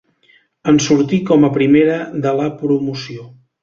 En sortí com a primera de la promoció.